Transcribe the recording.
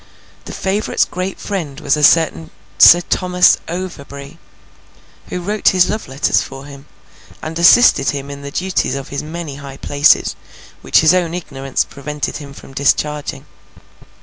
The favourite's great friend was a certain Sir Thomas Overbury, who wrote his love letters for him, and assisted him in the duties of his many high places, which his own ignorance prevented him from discharging.